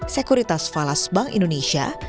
sekuritas falas bank indonesia